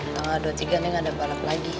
tanggal dua puluh tiga ini gak ada balap lagi